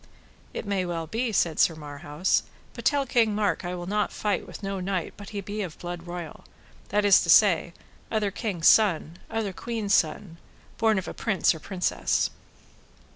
It may well be, said Sir Marhaus; but tell King Mark I will not fight with no knight but he be of blood royal, that is to say, other king's son, other queen's son, born of a prince or princess.